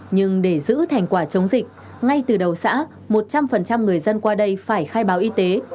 nhưng để giữ thành quả chống dịch ngay từ đầu xã một trăm linh người dân qua đây phải khai báo y tế